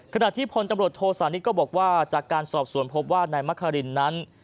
ขณะที่พลตำรวจโทสานิทก็บอกว่าจากการสอบสวนพบว่านายมะคารินนั้น